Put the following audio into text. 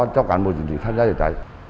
cho toàn bộ lực lượng cháy cháy